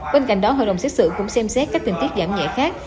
bên cạnh đó hội đồng xét xử cũng xem xét cách hình tiết giảm nhẹ khác